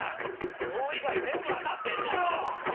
今日以外全部当たってんだよ！